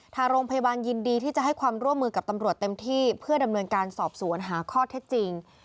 ทางโรงพยาบาลยินดีที่จะให้ความร่วมมือกับตำรวจเต็มที่เพื่อดำเนินการสอบสวนหาข้อเท็จจริง